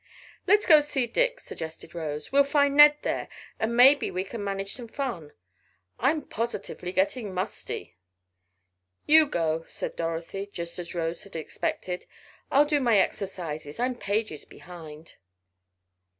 "Let's go see Dick," suggested Rose, "we'll find Ned there and perhaps we may manage some fun. I'm positively getting musty." "You go," said Dorothy, just as Rose had expected, "I'll do my exercises I'm pages behind."